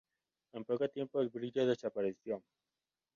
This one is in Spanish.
En poco tiempo el brillo desapareció.